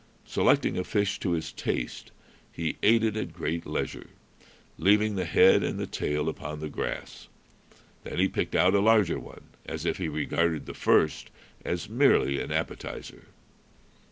Selecting a fish to his taste, he ate it at great leisure, leaving the head and the tail upon the grass. Then he picked out a larger one, as if he regarded the first as merely an appetizer.